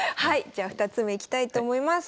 じゃあ２つ目いきたいと思います。